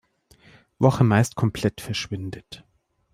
Woche meist komplett verschwindet.